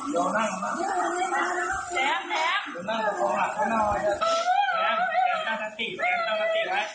แซมแซมเยอะมากตัวโน่นไงเอ๋้อแซมแซม